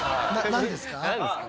何ですか？